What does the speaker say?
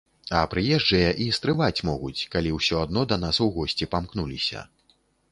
А прыезджыя і стрываць могуць, калі ўсё адно да нас у госці памкнуліся.